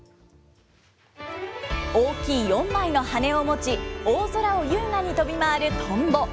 大きい４枚の羽を持ち、大空を優雅に飛び回るトンボ。